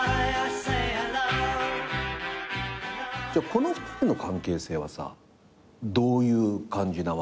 この２人の関係性はさどういう感じなわけ？